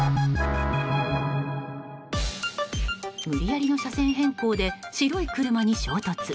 無理やりの車線変更で白い車に衝突。